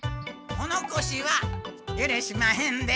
おのこしはゆるしまへんで。